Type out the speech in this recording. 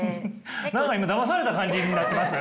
何か今だまされた感じになってますよ。